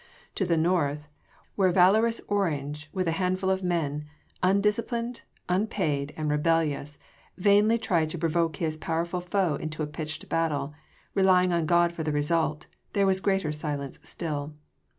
To the north, where valorous Orange with a handful of men undisciplined, unpaid and rebellious vainly tried to provoke his powerful foe into a pitched battle, relying on God for the result, there was greater silence still.